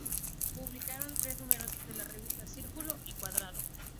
Publicaron tres números de la revista "Círculo y cuadrado".